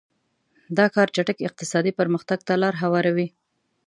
دا کار چټک اقتصادي پرمختګ ته لار هواروي.